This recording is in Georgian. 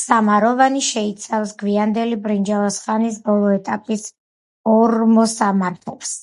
სამაროვანი შეიცავს გვიანდელი ბრინჯაოს ხანის ბოლო ეტაპის ორმოსამარხებს.